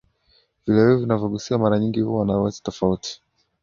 Vilewevu vinavyogusiwa mara nyingi huwa na uwezo tofauti wa